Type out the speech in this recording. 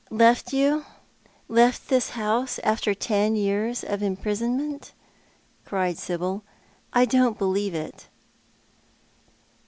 " Left you — left this house after ten years of imprisonment," cried Sibyl. " I don't believe it."